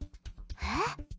えっ！？